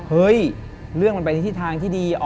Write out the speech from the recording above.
เฮ้ยเรื่องมันไปในทิศทางที่ดี